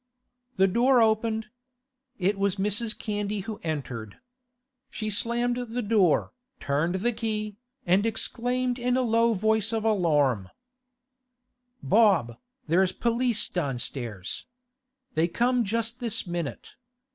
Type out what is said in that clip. The door opened. It was Mrs. Candy who entered. She slammed the door, turned the key, and exclaimed in a low voice of alarm: 'Bob, there's the p'lice downstairs! They come just this minute.